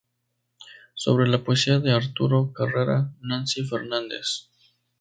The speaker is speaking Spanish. Sobre la poesía de Arturo Carrera", Nancy Fernández.